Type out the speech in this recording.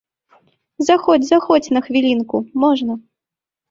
Заходзь, заходзь на хвілінку, можна.